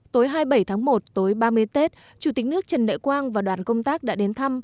tối hai mươi bảy tháng một tối ba mươi tết chủ tịch nước trần đại quang và đoàn công tác đã đến thăm